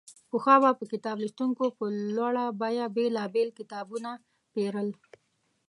پخوا به کتاب لوستونکو په لوړه بیه بېلابېل کتابونه پېرل.